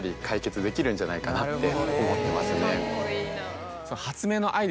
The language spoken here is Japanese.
んじゃないかなって思ってますね。